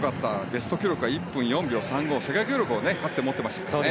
ベスト記録が１分４秒３５世界記録をかつて持っていましたね。